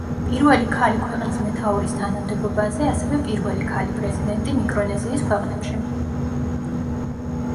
პირველი ქალი ქვეყნის მეთაურის თანამდებობაზე, ასევე პირველი ქალი პრეზიდენტი მიკრონეზიის ქვეყნებში.